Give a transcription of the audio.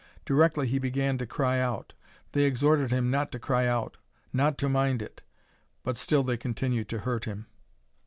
Directly he began to cry out. They exhorted him not to cry out, not to mind it, but still they continued to hurt him.